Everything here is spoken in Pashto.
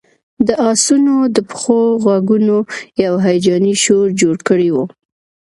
د آسونو د پښو غږونو یو هیجاني شور جوړ کړی و